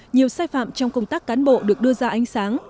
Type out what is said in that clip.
nhiều sai phạm trong công tác cán bộ được đưa ra ánh sáng